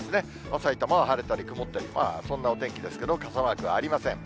さいたまは晴れたり曇ったり、まあそんなお天気ですけど、傘マークありません。